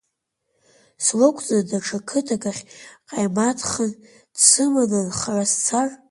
Слықәҵны, даҽа қыҭак ахь Ҟаимаҭхан дсыманы, нхара сцар…